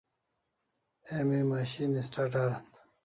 Emi machine start aran